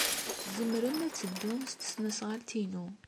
Tzemrem ad teddum s tesnasɣalt-inu.